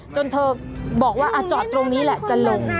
จนเธอบอกว่าจอดตรงนี้แหละจะลง